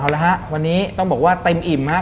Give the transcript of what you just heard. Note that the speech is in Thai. เอาละฮะวันนี้ต้องบอกว่าเต็มอิ่มมาก